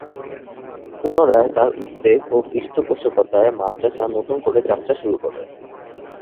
পুনরায় তার উদ্যোগ ও পৃষ্ঠপোষকতায় মাদরাসা নতুন করে যাত্রা শুরু করে।